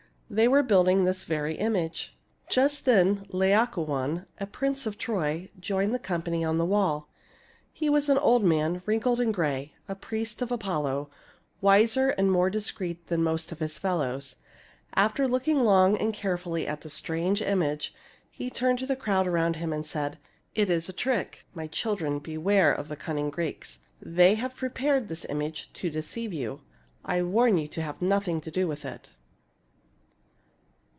They were building this very image." Just then Laocoon, a prince of Troy, joined the company on the wall. He was an old man, wrinkled and gray — a priest of Apollo, wiser and more dis creet than most of his fellows. After looking long THE FALL OF TROY I4I and carefully at the strange image, he turned to the crowd around him and said, " It is a trick. My children, beware of the cunning Greeks. They have prepared this image to deceive you. I warn you to have nothing to do with it."